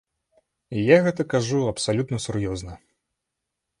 Я гэта кажу абсалютна сур'ёзна.